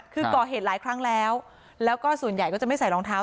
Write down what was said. คือก่อเหตุหลายครั้งแล้วแล้วก็ส่วนใหญ่ก็จะไม่ใส่รองเท้า